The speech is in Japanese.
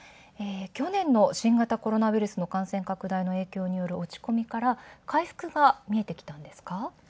去年の新型コロナの感染拡大の影響による落ち込みから回復が見えてきたんですか。